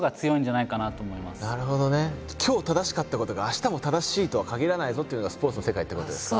じゃあ今日正しかったことが明日も正しいとはかぎらないぞというのがスポーツの世界ってことですか？